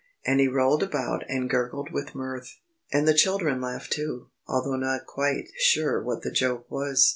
And he rolled about and gurgled with mirth. And the children laughed too, although not quite sure what the joke was.